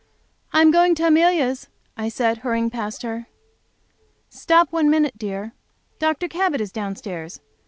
"I am going to Amelia's," I said, hurrying past her. "Stop one minute, dear. Dr. Cabot is downstairs.